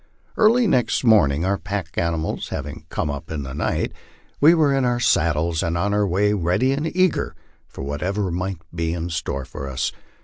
Early next morning (our pack animals having come up in the night) we were in our saddles, and on our way ready and eager for whatever might be in store for us.